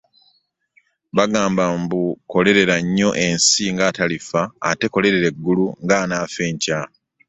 Bagamba mbu kolerera nnyo ensi ng'atalifa ate kolerera eggulu ng'anaafa enkya.